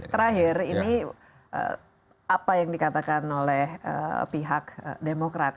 terakhir ini apa yang dikatakan oleh pihak demokrat